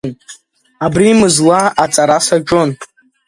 Абри мызла аҵара саҿын.